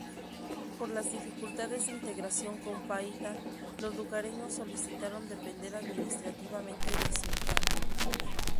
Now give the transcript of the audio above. Por las dificultades de integración con Paita, los lugareños solicitaron depender administrativamente de Sullana.